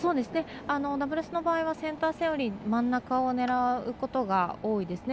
ダブルスの場合はセンター線より真ん中を狙うことが多いですね。